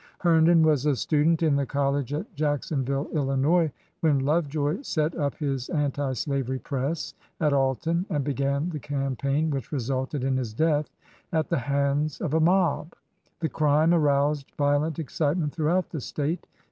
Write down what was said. Herndon was a student in the college at Jack sonville, Illinois, when Love joy set up his anti slavery press at Alton and began the campaign which resulted in his death at the hands of a mob. The crime aroused violent excitement through out the State.